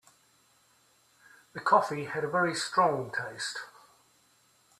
The coffee had a very strong taste.